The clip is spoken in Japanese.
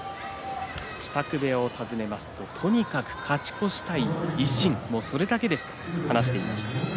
支度部屋を訪ねますととにかく勝ち越したい一心それだけですと言っていました。